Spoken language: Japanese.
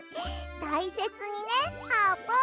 たいせつにねあーぷん。